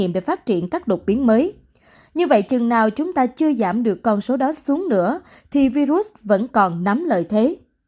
như vậy chừng nào chúng ta chưa giảm được con số đó xuống nữa thì virus vẫn còn nắm lợi thế